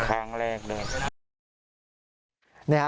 ครั้งแรกด้วย